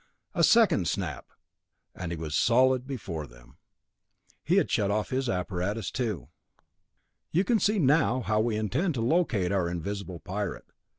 A second snap and he was solid before them. He had shut off his apparatus too. "You can see now how we intend to locate our invisible pirate.